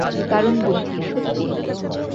দারুণ বুদ্ধি, সত্যিই।